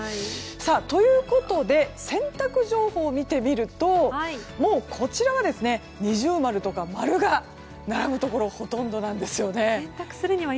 ということで洗濯情報を見てみるともう、こちらは二重丸とか丸が並ぶところがほとんどですね。